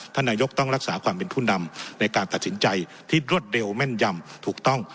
ท่านนายกต้องรักษาความเป็นผู้นำในการตัดสินใจที่รวดเร็วแม่นยำถูกต้อง